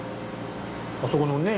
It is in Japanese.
あそこのねっ？